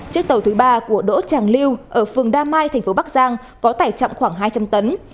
chiếc tàu thứ ba của đỗ tràng lưu ở phường đa mai thành phố bắc giang có tải trọng khoảng hai trăm linh tấn